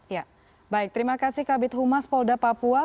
ya baik terima kasih kabit humas polda papua